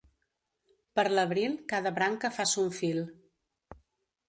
Per l'abril cada branca fa son fil.